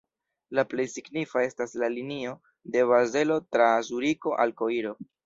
La plej signifa estas la linio de Bazelo tra Zuriko al Koiro.